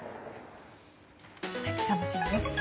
楽しみです。